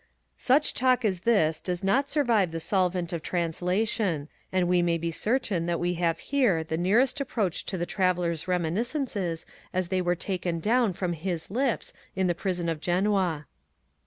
Such talk as this does not survive the solvent of translation ; and we may be certain that we have here the nearest approach to the Traveller's reminiscences as they were taken down from his lips in the prison of Genoa.